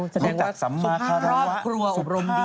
สมมุติสำหรับครัวครัวอบรมดี